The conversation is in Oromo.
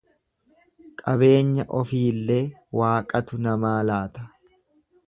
Qabeenya ofiillee Waaqatu namaa laata.